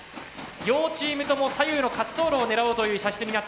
両チームとも左右の滑走路を狙おうという射出になっています。